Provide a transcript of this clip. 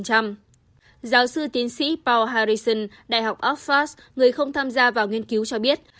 giáo sư tiến sĩ paul harrison đại học oxford người không tham gia vào nghiên cứu cho biết